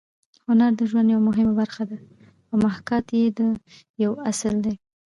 هنر د ژوند یوه مهمه برخه ده او محاکات یې یو اصل دی